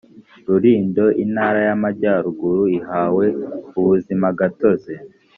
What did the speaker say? rulindo intara y amajyaruguru ihawe ubuzimagatozi